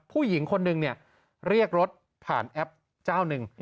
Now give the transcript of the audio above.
ผู้หญิงคนหนึ่งเรียกรถผ่านแอปเจ้าหนึ่ง